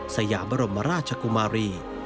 สยามบรมราชกุมารี